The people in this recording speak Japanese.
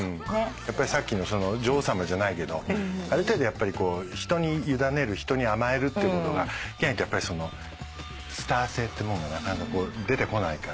さっきのその女王様じゃないけどある程度人に委ねる人に甘えるってことができないとそのスター性ってもんがなかなかこう出てこないから。